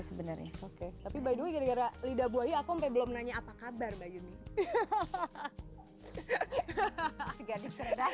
sebenarnya oke tapi by the way gara gara lidah buaya aku sampai belum nanya apa kabar mbak yumi